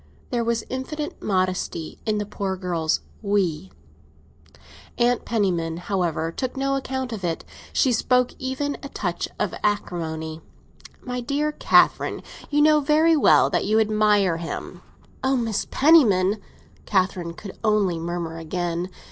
There was infinite, modesty in the poor girl's "we." Aunt Penniman, however, took no account of it; she spoke even with a touch of acrimony. "My dear Catherine, you know very well that you admire him!" "Oh, Aunt Penniman!" Catherine could only murmur again.